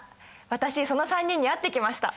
私その３人に会ってきました！